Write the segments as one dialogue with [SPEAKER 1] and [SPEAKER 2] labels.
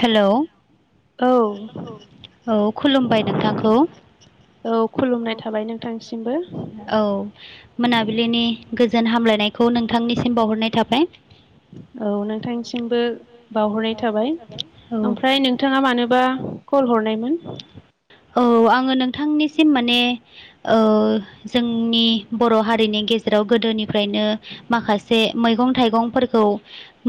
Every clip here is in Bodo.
[SPEAKER 1] हेल'
[SPEAKER 2] औ
[SPEAKER 1] औ खुलुमबाय नोंथांखौ
[SPEAKER 2] औ खुलुमनाय थाबाय नोंथांसिमबो
[SPEAKER 1] औ मोनाबिलिनि गोजोन हामलाय खौ नोंथांनिसिम बावहरनाय थाबाय
[SPEAKER 2] औ नोंथांनिसिमबो बावहरनाय थाबाय
[SPEAKER 1] औ
[SPEAKER 2] ओमफ्राय नोंथाङा मानोबा कल हरनायमोन?
[SPEAKER 1] औ आङो नोंथांनिसिम माने ओ जोंनि बर' हारिनि गेजेराव गोदो गोदोनिफ्रायनो माखासे मैगं थाइगंफोरखौ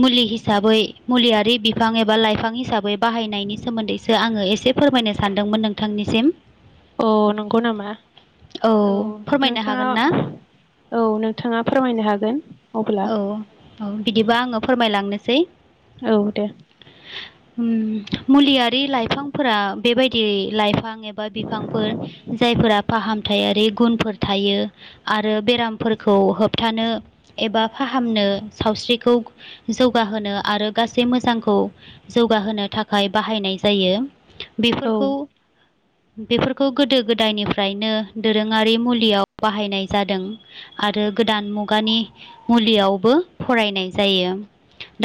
[SPEAKER 1] मुलि हिसाबै मुलियारि बिफां एबा लाइफां हिसाबै बाहायनायनि सोमोन्दैसो आङो एसे फोरमायनो सानदोंमोन नोंथांनिसिम
[SPEAKER 2] अह नोंगौ नामा? औ
[SPEAKER 1] फोरमायनो
[SPEAKER 2] नोंथाङा
[SPEAKER 1] हागोन ना
[SPEAKER 2] औ नोंथाङा फोरमायनो हागोन। अब्ला
[SPEAKER 1] औ औ बिदिबा आङो फोरमायलांनोसै
[SPEAKER 2] औ दे
[SPEAKER 1] मुलियारि लाइफांफोरा बेबायदि लाइफां एबा बिफांफोर जायफोरा फाहामथायारि गुनफोर थायो आरो आरो बेरामफोरखौ होबथानो एबा फाहामनो सावस्रिखौ जौगाहोनो आरो गासै मोजांखौ जौगा होनो थाखाय बाहायनाय जायो
[SPEAKER 2] औ
[SPEAKER 1] बेफोरखौ बेफोरखौ गोदो गोदायनिफ्रायनो दोरोङारि मुलियाव बाहायनाय जादों आरो गोदान मुगानि मुलियावबो फरायनाय जायो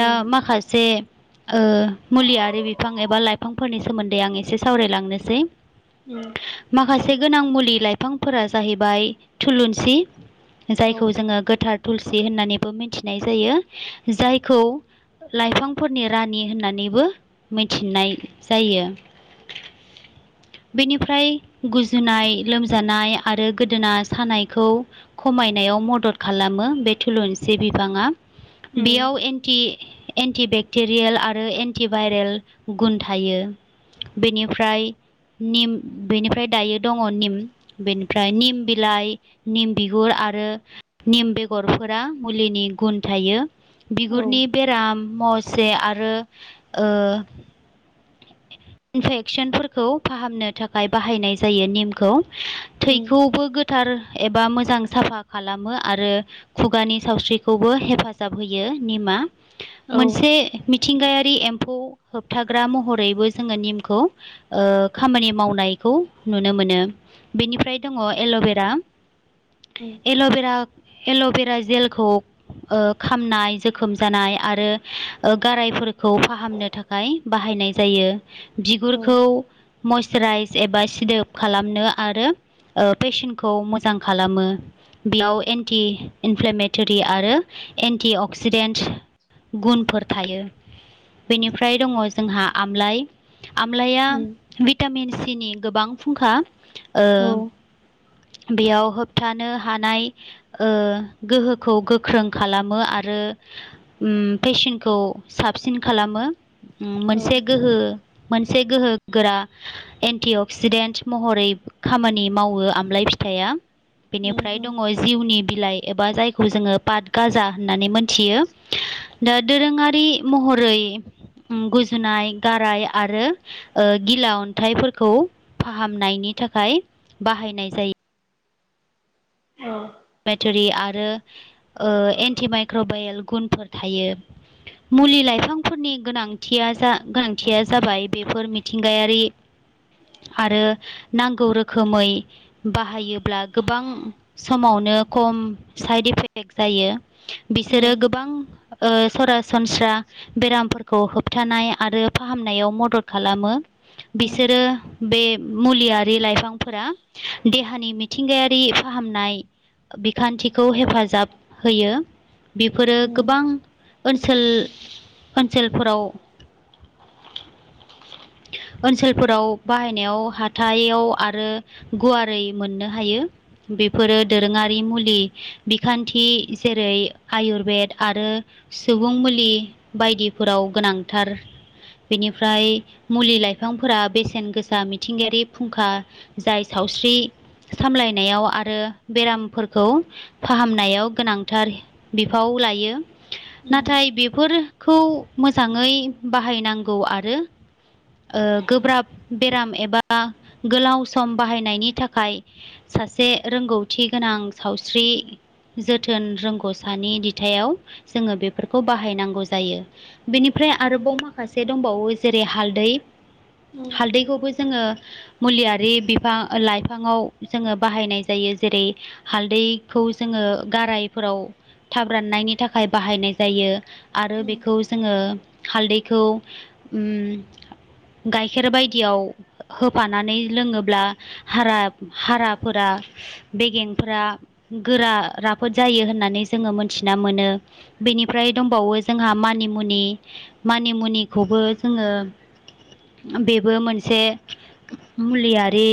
[SPEAKER 1] दा
[SPEAKER 2] उम
[SPEAKER 1] माखासे ओ मुलियारि बिफां एबा लाइफांफोरनि सोमोन्दै आं एसे सावरायलांनोसै
[SPEAKER 2] उम
[SPEAKER 1] माखासे गोनां मुलि लाइ बिफांफोरा जाहैबाय थुलुंसि
[SPEAKER 2] औ
[SPEAKER 1] जायखौ जोङो गोथार थुलसि होननानैबो मिथिनाय जायो जायखौ लाइफांफोरनि रानि होननानैबो मिथिनाय जायो। बेनिफ्राय गुजुनाय लोमजानाय आरो गोदोना सानायखौ खमायनायाव मदद खाला मो बे थुलुंसि बिबाङा
[SPEAKER 2] उम
[SPEAKER 1] बेयाव एन्टि एन्टिबेक्टेरियेल आरो एन्टि भाइरेल गुन थायो। बेनिफ्राय निम बेनिफ्राय दायो दङ निम बेनिफ्राय निम बिलाइ निम बिगुर आरो निम बेगरफोरा मुलिनि गुन थायो
[SPEAKER 2] औ
[SPEAKER 1] बिगुरनि बेराम मस से आरो ओ इनफेक्सनफोरखौ फाहामनो थाखाय बाहायनाय जायो निमखौ।
[SPEAKER 2] उम
[SPEAKER 1] थैखौबो गोथार एबा मोजां साफा खालामो आरो खुगानि सावस्रिखौबो हेफाजाब होयो निमा।
[SPEAKER 2] औ
[SPEAKER 1] मोनसे मिथिंगायारि एम्फौ होबथाग्रा महर यैबो जोङो निमखौ खामानि मावनायखौ नुनो मोनो। बेनिफ्राय दङ एल'बेरा
[SPEAKER 2] उम
[SPEAKER 1] एल'बेरा एल'भेरा जेलखौ ओ खामनाय जोखोम जानाय आरो गारायफोरखौ फाहामनो थाखाय बाहायनाय जायो
[SPEAKER 2] औ
[SPEAKER 1] बिगुरखौ मइसाराइस एबा सिदोब खालामनो आरो ओ पेसनखौ मोजां खालामो। बेयाव एन्टि इनफ्लेमेटरि आरो एन्टि अक्सिडेन्ट गुनफोर थायो बेनिफ्राय दङ जोंहा आमलाइ आमलाइया
[SPEAKER 2] उम
[SPEAKER 1] भिटामिन सि नि गोबां फुंखा ओ
[SPEAKER 2] औ
[SPEAKER 1] बेयाव होबथानो हानाय ओ गोहोखौ गोख्रों खालामो आरो ओम पेशेनखौ साबसिन खालामो।
[SPEAKER 2] औ
[SPEAKER 1] से गोहो मोनसे गोहोगोरा एन्टि अक्सिडेन्ट महरै खामानि मावो आमलाय फि थाइया
[SPEAKER 2] उम
[SPEAKER 1] बेनिफ्राय
[SPEAKER 2] उम
[SPEAKER 1] दङ जिउनि बिलाइ एबा जायखौ जोङो पाट गाजा होननानै मोनथियो दा दोरोङारि महरै गुजु नाय गाराय आरो गिला अन्थाइफोरखौ फाहामनायनि थाखाय बाहायनाय जायो।
[SPEAKER 2] औ।
[SPEAKER 1] बाटरि आरो एन्टिमाइक्रबायेल गुनफोर थायो। मुलि लाइफांफोरनि गोनांथिया जा गोनांथिया जाबाय बेफोर मिथिंगायारि आरो नांगौ रोखोमै बाहायोब्ला गोबां समाव नो खम साइड इफेक्ट जायो। बिसोरो
[SPEAKER 2] उम
[SPEAKER 1] गोबां ओ सरासनस्रा बेरामफोरखौ होबथानाय आरो फाहामनायाव मदद खालामो।
[SPEAKER 2] उम
[SPEAKER 1] बिसोरो बे मुलियारि लाइफांफोरा देहानि मिथिंगायारि फाहामनाय बिखान्थिखौ हेफाजाब होयो बेफोरो
[SPEAKER 2] उम
[SPEAKER 1] गोबां ओनसोल ओनसोलफोराव ओनसोलफोराव बाहायनायाव हाथाइयाव आरो गुवारै मोननो हायो। बेफोरो दोरोङारि मुलि बिखान्थि जेरै आयुरवेद आरो सुबुं मुलि बायदिफोराव गोनांथार बेनिफ्राय मुलि लाइफांफोरा बेसेन गोसा मिथिंगायारि फुंखा जाय साव स्रि सामलायनायाव आरो बेराम फोरखौ फाहामनायाव गोनांथार बिफाव लायो नाथाय
[SPEAKER 2] उम
[SPEAKER 1] बेफोर खौ मोजाङै बाहायनांगौ आरो गोब्राब बेराम एबा गोलाव सम बाहायनायनि थाखाय सासे रोंगौथि गोनां सावस्रि जोथोन रोंगौसानि दिथायाव जोङो बेफोरखौ बाहायनांगौ जायो बेनिफ्राय फ्राय आरोबाव माखासे दंबावो जेरै हालदै हालदैखौबो जोङो मुलियारि बिफां लाइफाङाव जोङो बाहायनाय जायो जेरै हालदैखौ जोङो गारायफोराव थाब राननायनि थाखाय बाहायनाय जायो आरो
[SPEAKER 2] उम
[SPEAKER 1] बेखौ जोङो हालदैखौ उम गाइखेर बायदियाव होफानानै लोङोब्ला हारा हाराफोरा [unintelligible] बेगेंफ्रा गोरा राफोद जायो होननानै जोङो मोनथिना मोनो बेनिफ्राय दंबावो जोंहा मानिमुनि मानिमुनिखौबो जोङो बेबो मोनसे मुलियारि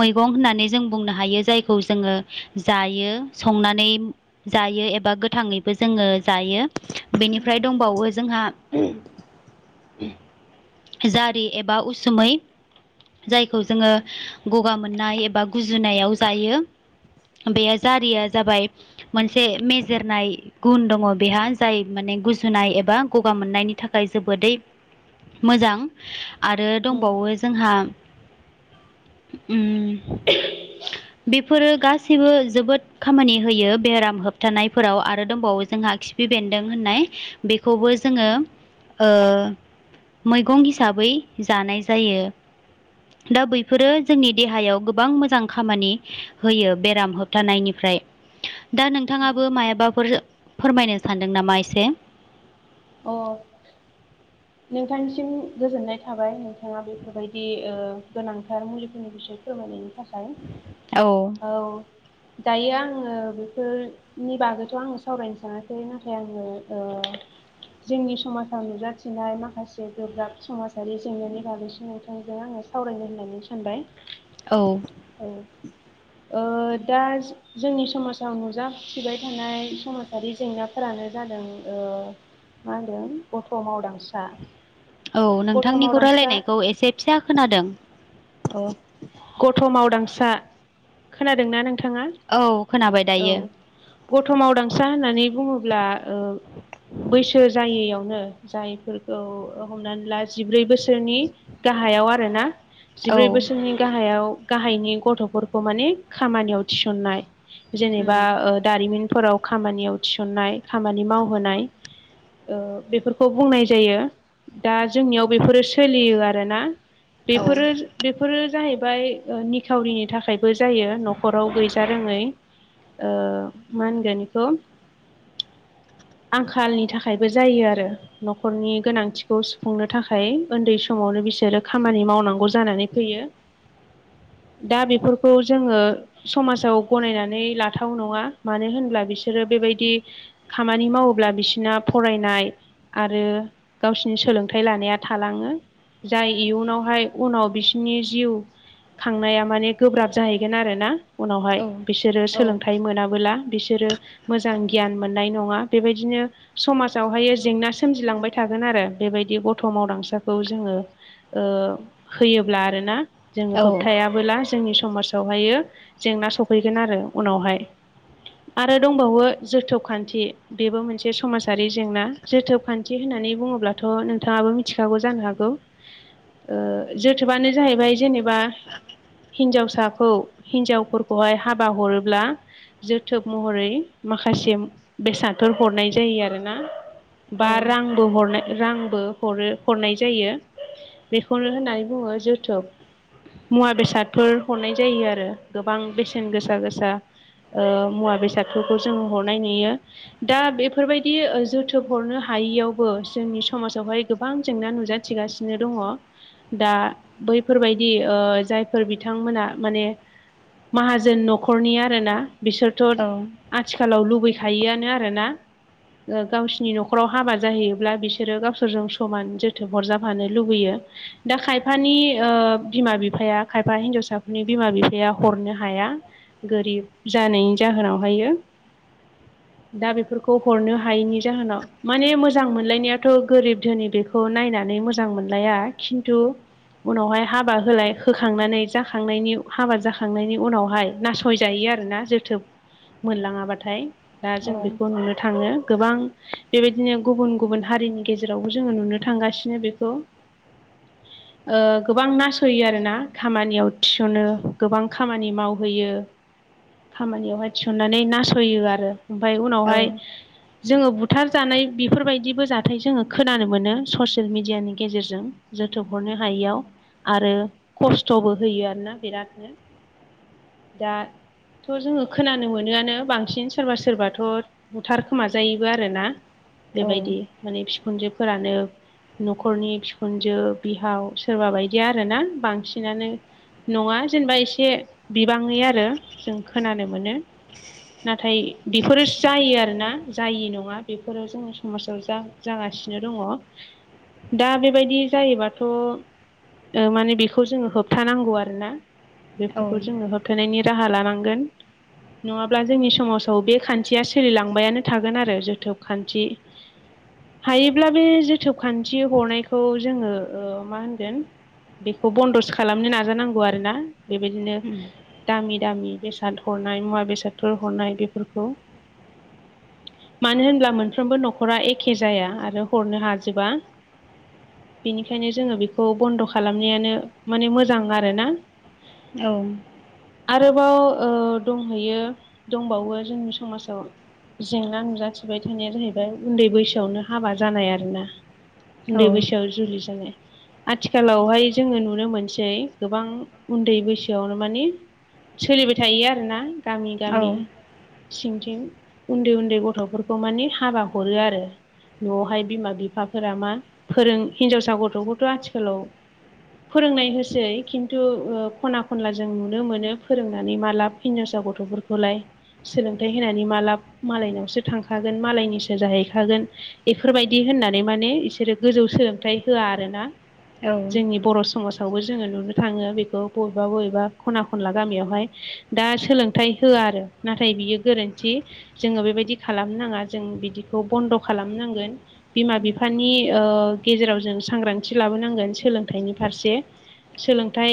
[SPEAKER 1] मैगं होननानै जों बुंनो हायो जाय खौ जोङो जायो संनानै जायो एबा गोथाङैबो जोङो जायो बेनिफ्राय दंबावो जोंहा जारि एबा उसुमै जायखौ जोङो गगा मोननाय एबा गुजुनायाव जायो। बे जारिया जाबाय मोनसे मेजेरनाय गुन दङ बेहा जाय माने गुन गुजुनाय एबा गगा मोननायनि थाखाय जोबोदै मोजां आरो
[SPEAKER 2] उम
[SPEAKER 1] दंबावो जोंहा उम बेफोरो गासैबो जोबोद खामानि होयो बेराम होबथानायफोराव आरो दंबावो जोंहा खिफि बे न्दों होनाय बेखौबो जोङो ओ मैगं हिसाबै जानाय जायो। दा बैफोरो जोंनि देहायाव गोबां मोजां खामानि होयो बेराम होबथानायनिफ्राय दा नोंथाङाबो मायाबाफोर फोरमायनो सानदों नामा एसे?
[SPEAKER 2] अ
[SPEAKER 1] [inaudible]
[SPEAKER 2] नोंथांनिसिम गोजोननाय थाबाय नोंथाङा बेफोरबायदि ओ गोनांथार मुलिफोरनि बिसय फोरमायनायनि थाखाय
[SPEAKER 1] औ
[SPEAKER 2] खाय औ दायो आङो बेफोरनि बागैथ' आङो सावरायनो सानाखै नाथाय आङो ओ जोंनि समाजाव नुजाथिनाय माखासे गोब्राब समाजारि जेंनानि बागैसो नोंथांजों आं आङो सावरायनो होननानै सानबाय।
[SPEAKER 1] औ
[SPEAKER 2] औ दा जोंनि समाजाव नुजाथिबाय थानाय समाजारि जेंनाफोरानो जा मा होनदों ओ मा होनदों गथ' मावदांसा
[SPEAKER 1] औ
[SPEAKER 2] गथ'
[SPEAKER 1] नोंथांनिखौ
[SPEAKER 2] मावदांसा
[SPEAKER 1] रायलायनायखौ एसे फिसा खोनादों।
[SPEAKER 2] गथ' मावदांसा खोनादोंना नों थाङा
[SPEAKER 1] औ खोनाबाय
[SPEAKER 2] औ
[SPEAKER 1] दायो
[SPEAKER 2] गथमावदांसा होननानै बुङोब्ला ओ बैसो जायैयावनो जायफोरखौ हमनानै ला जिब्रै बोसोरनि गाहायाव आरोना
[SPEAKER 1] औ
[SPEAKER 2] जिब्रै बोसोरनि गाहायाव गाहायनि गथ'फोरखौ मानिे खामानियाव थिसननाय
[SPEAKER 1] उम
[SPEAKER 2] जेनेबा ओ दारिमिन फोराव खामानियाव थिसननाय खामानि मावहोनाय बेफोरखौ बुंनाय जायो। दा जोंनियाव बेफोरो सोलियो आरोना
[SPEAKER 1] औ
[SPEAKER 2] बेफोरो बेफोरो जाहैबाय ओमफ्राय निखावरिनि थाखायबो जायो न'खराव गैजारोङै। ओ मा होनगोन इखौ आंखालनि थाखायबो जायो आरो न'खरनि गोनांथि खौ सुफुंनो थाखाय उन्दै समावनो बिसोरो खामानि मावनांगौ जानानै फैयो।
[SPEAKER 1] [inaudible]
[SPEAKER 2] दा बेफोरखौ जोङो समाजाव गनायनानै लाथाव नङा मानो होनब्ला बिसोरो बे बेबायदि खामानि मावोब्ला बिसिना फरायनाय आरो गाव सिनि सोलोंथाइ लानाया थालाङो जाय इयुनावहाय उनाव बिसोरनि जिउ खांनाया माने गोब्राब जाहैगोन आरोना उनावहाय
[SPEAKER 1] औ
[SPEAKER 2] बिसोरो
[SPEAKER 1] औ
[SPEAKER 2] सोलोंथाइ मोनाबोला। बिसोरो मोजां गियान मोननाय नङा बेबायदिनो समाजावहाय जेंना सोमजिलांबाय थागोन आरो। बेबायदि गथ' मावदांसाखौ जोङो होयोब्ला आरोना। जोङो
[SPEAKER 1] औ
[SPEAKER 2] होबथायाबोला जोंनि समाजावहायो जेंना सफैगोन आरो उनावहाय। आरो दंबावो जोथोब खान्थि बेबो मोनसे समाजारि जेंना जोथोब खान्थि होना बुङोब्ला थ' नोंथाङाबो मिथिखागौ जानो हागौ जोथोबानो जाहैबाय जेने बा हिनजावसा खौ हिनजावफोरखौहाय हाबा हरोब्ला जोथोब महरै माखासे बेसादफोर हरनाय जायो आरोना बा
[SPEAKER 1] औ
[SPEAKER 2] रांबो हरनाय रांबो हरो हरनाय जायो बेखौनो होननानै बुङो जोथोब। मुवा बेसादफोर हरनाय जायो आरो गोबां बेसेन गोसा गोसा मुवा बेसादफोरखौ जोङो हरनाय नुयो दा बेफोरबायदि जोथोब हरनो हा हायैयावबो जोंनि समाजावहाय गोबां जेंना नुजाथिगासिनो दङ। दा बैफोरबायदि जायफोर बिथांमोना माने माहाजोन न'खरनि आरोना बिसोरथ'
[SPEAKER 1] औ
[SPEAKER 2] आथिखालाव लुबै खायोआनो आरोना गावसिनि न'खराव हाबा जाहैयो। बिसोरो गावसोरजों समान जोथोब हरजाबफानो लुबैयो दा खायफानि ओ बिमा बिफाया खायफा हिनजावसाफोरनि बिमा बिफाया हरनो हाया गोरिब जानायनि जाहोन नावहायो।
[SPEAKER 1] औ।
[SPEAKER 2] दा बेफोरखौ हरनो हायिनि जाहोनाव माने मोज मोजां मोनलायनायाथ' गोरिब धोनि बेखौ नायनानै मोजां मोनलाया खिन्थु उनावहाय हाबा होलाय होखांनानै जाखांनायनि हाबा जाखांनायनि उनावहाय नासयजायो आरोना जोथोब मोनलाङाबाथाय। दा जों बेखौ नुनो थाङो गोबां बेबायदिनो गुबुन गुबुन हारिनि गेजेरावबो जोङो नुनो थांगासिनो बेखौ
[SPEAKER 1] [inaudible]
[SPEAKER 2] ओ गोबां नासयो आरोना खामानियाव थिसनो गोबां खामानि मावहोयो। खामानियावहाय थिसननानै नासयो आरो। ओमफाय उनावहाय जोङो बुथार जानाय बेफोर बायदिबो जाथाय जोङो खोनानो मोनो ससियेल मिडियानि गेजेरजों जोथोब हरनो हायैयाव। आरो खस्थ'बो होयो आरोना बिरादनो दा थ' जोङो खोनानो मोनोआनो बांसिन सोरबा सोरबाथ' बुथारखोमाजायोबो आरोना।
[SPEAKER 1] औ
[SPEAKER 2] बेबायदि माने फिखुनजोफोरानो न'खरनि फिखुनजो बिहाव सोरबा बायदिया आरोना बांसिनानो नङा जेनेबा एसे बिबाङै आरो जों खोनानो मोनो। नाथाय बिफोरो जायो आरोना जायि नङा बेफोरो जों समाजाव जा जागासिनो दङ' दा बेबायदि जायोबाथ' ओ माने बेखौ जोङो होबथानांगौ आरोना बेफोरखौ जोङो होबथानायनि राहा लानांगोन। नङाब्ला जोंनि समाजाव बे खान्थिया सोलिलांबायानो थागोन आरो जोथोब खान्थि
[SPEAKER 1] [inaudible]
[SPEAKER 2] हायोब्ला बे जोथोब खान्थि हरनायखौ जोङो ओ मा होनगोन। बेखौ बन्दसो खालामनो नाजानांगौ आरोना बेबायदिनो
[SPEAKER 1] उम
[SPEAKER 2] दामि दामि बेसाद हरनाय मुवा बेसादफोर हरनाय बेफोरखौ।
[SPEAKER 1] [inaudible]
[SPEAKER 2] मानो होनब्ला मोनफ्रोमबो न'खरा एखे जाया आरो हरनो हाजोबा। बेनिखायनो जोङो बिखौ बन्द' खालामनायानो माने मोजां आरोना।
[SPEAKER 1] औ
[SPEAKER 2] आरोबाव ओ दंहैयो दंबावो जोंनि समाजाव जेंना नुजाथिबाय थानाया जाहैबाय उन्दै बैसोआवनो हाबा जानाय आरो ना उन्दै बैसोआव जुलि जानाय। आथिखालावहाय जोङो नुनो मोनसै गोबां उन्दै बैसोआवनो माने सोलिबाय थायो आरो ना गामि गामि
[SPEAKER 1] औ
[SPEAKER 2] सिंथिं उन्दै उन्दै गथ'फोरखौ मानि हाबा हरो आरो। न'आवहाय बिमा बिफाफोरा मा फोरों हिनजावसा गथ'खौथ' आथिखालाव फोरोंनाय होसै खिन्थु ओ खना खनला जों नुनो मोनो फोरोंनानै मा लाब हिनजावसा गथ'फोरखौलाय सोलोंथाइ होनानै माला मालायनावसो थांखागोन मालायनिसो जाहैखागोन इफोर बायदि होननानै माने बिसोरो गोजौ सोलोंथाइ होआ आरोना। जोंनि बर' समाज आवबो जोङो नुनो थाङो बेखौ बबेबा बबेबा खना खनला गामियावहाय दा सोलोंथाइ होआ आरो नाथाय बियो गोरोन्थि जोङो बेबायदि खालामनोनाङा जों बिदि खौ बन्द' खालामनांगोन बिमा बिफानि ओ गेजेराव जों सांग्रांथि लाबोनांगोन। सोलोंथाइनि फारसे। सोलोंथाइ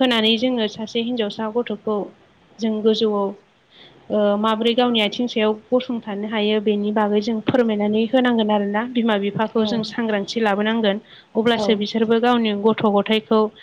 [SPEAKER 2] होनानै जोङो सासे हिनजावसा गथ'खौ जों गोजौआव ओ माब्रै गावनि आथिं सायाव गसंथानो हायो बेनि बागै जों फोरमायनानै होनांगोन आरोना बिमा बिफाखौ
[SPEAKER 1] औ
[SPEAKER 2] जों सांग्रांथि लाबोनांगोन।
[SPEAKER 1] औ
[SPEAKER 2] अब्लासो बिसोरबो गावनि गथ' गथाइखौ